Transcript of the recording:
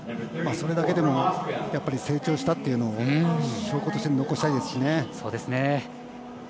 それだけでも成長したっていうのを証拠として残したいですしね。